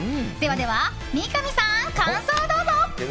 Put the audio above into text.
では三上さん、感想をどうぞ。